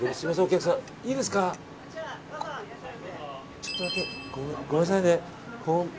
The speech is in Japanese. ちょっとだけ、ごめんなさいね。